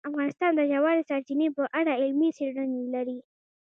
افغانستان د ژورې سرچینې په اړه علمي څېړنې لري.